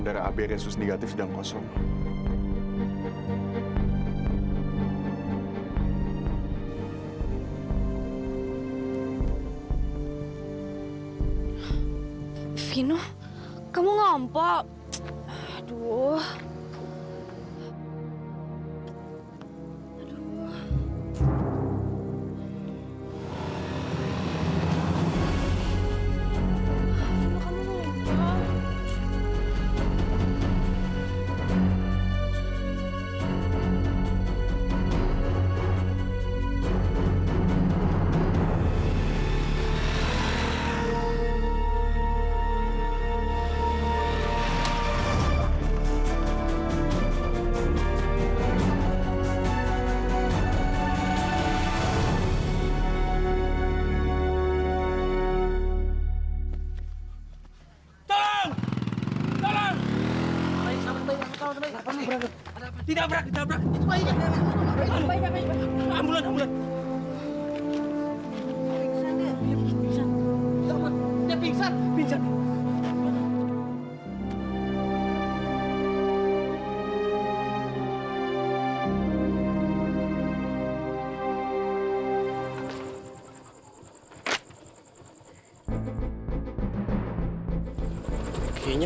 sampai jumpa di video selanjutnya